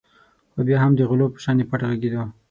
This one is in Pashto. خو بیا هم د غلو په شانې پټ غږېدو.